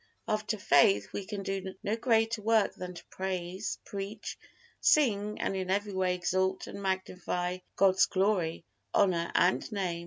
After faith we can do no greater work than to praise, preach, sing and in every way exalt and magnify God's glory, honor and Name.